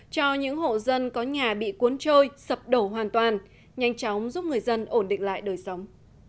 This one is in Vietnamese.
cho những hộ dân có nhà bị cuốn trôi sập đổ hoàn toàn nhanh chóng giúp người dân ổn định lại đời sống